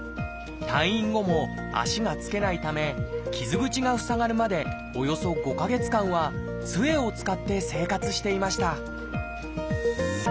退院後も足がつけないため傷口が塞がるまでおよそ５か月間はつえを使って生活していました